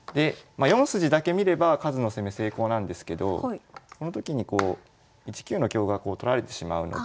４筋だけ見れば数の攻め成功なんですけどこの時にこう１九の香が取られてしまうので。